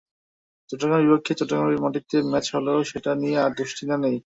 চট্টগ্রামের বিপক্ষে চট্টগ্রামের মাটিতে ম্যাচ হলেও সেটা নিয়ে তাদের দুশ্চিন্তা নেই।